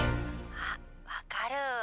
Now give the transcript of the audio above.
あっ分かる。